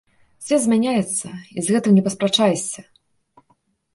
Свет змяняецца, і з гэтым не паспрачаешся.